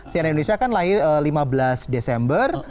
cnn indonesia kan lahir lima belas desember dua ribu lima belas